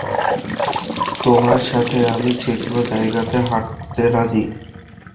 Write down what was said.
তোমার সাথে আমি যেকোন জায়গাতে হাঁটতে রাজি।